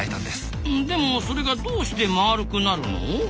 でもそれがどうして丸くなるの？